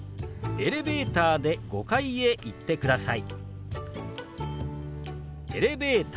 「エレベーターで５階へ行ってください」。